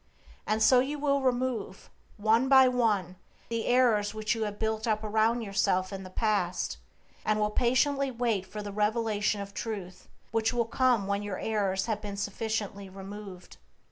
And so you will remove, one by one, the errors which you have built around yourself in the past, and will patiently wait for the revelation of Truth which will come when your errors have been sufficiently removed.